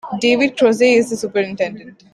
David Kroeze is the Superintendent.